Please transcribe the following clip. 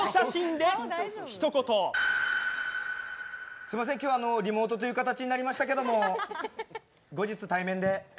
すみません、今日はリモートという形になりましたけども、後日、対面で。